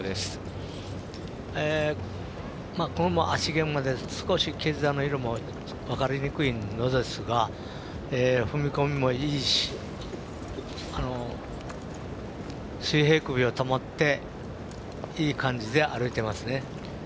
芦毛馬で少し毛づやも色も分かりにくいのですが踏み込みもいいし水平クビを保っていい感じで歩いていますね。